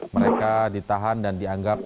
mereka ditahan dan dianggap